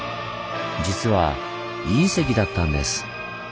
実は隕石だったんです。